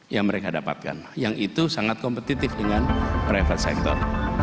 yang mereka dapatkan yang itu sangat kompetitif dengan private sector